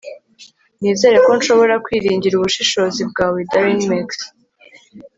Nizere ko nshobora kwiringira ubushishozi bwawe darinmex